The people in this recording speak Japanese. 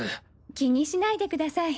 気にしないでください。